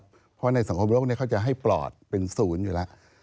เพราะในสังคมโลกเขาจะให้ปลอดเป็นศูนย์อยู่แล้ว